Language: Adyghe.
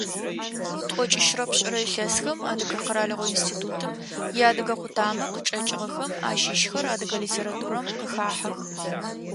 Тӏокӏищрэ пшӏырэ илъэсхэм Адыгэ къэралыгъо институтым иадыгэ къутамэ къычӏэкӏыгъэхэм ащыщхэр адыгэ литературэм къыхахьэх.